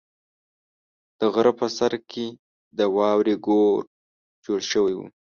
د غره په سر کې د واورې کور جوړ شوی و.